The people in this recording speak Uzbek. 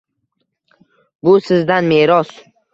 Bu — sizdan meros.